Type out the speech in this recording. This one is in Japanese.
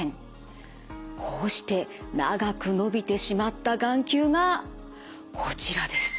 こうして長く伸びてしまった眼球がこちらです。